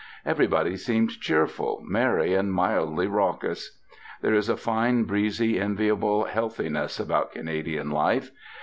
Everybody seemed cheerful, merry, and mildly raucous. There is a fine, breezy, enviable healthiness about Canadian life.